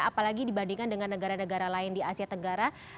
apalagi dibandingkan dengan negara negara lain di asia tenggara